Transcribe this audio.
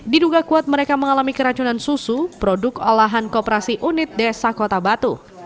diduga kuat mereka mengalami keracunan susu produk olahan kooperasi unit desa kota batu